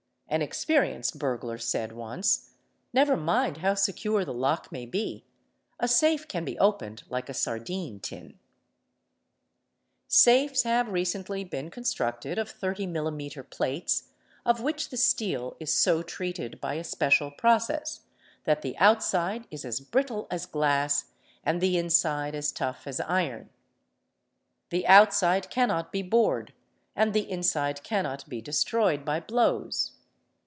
An experienced burglar said once: '' Never mind how secure the lock may be, a safe can be opened like a sardine tin''.* Safes have recently been constructed of 30 mm. plates of which the ~ steel is so treated by a special process that the outside is as brittle as glass and the inside as tough as iron. The outside cannot be bored and the inside cannot be destroyed by blows.